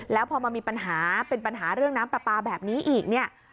แล้วพอมามีปัญหาเป็นปัญหาเรื่องน้ำปลาปลาแบบนี้อีกเนี่ย